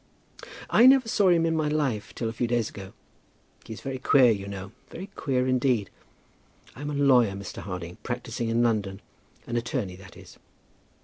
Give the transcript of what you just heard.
"I never saw him in my life till a few days ago. He is very queer you know, very queer indeed. I'm a lawyer, Mr. Harding, practising in London; an attorney, that is."